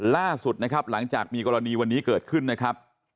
ล่าสุดนะครับหลังจากมีกรณีวันนี้เกิดขึ้นนะครับ